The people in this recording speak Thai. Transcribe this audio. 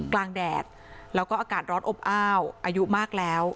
แดดแล้วก็อากาศร้อนอบอ้าวอายุมากแล้ว